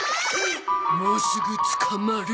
もうすぐ捕まる。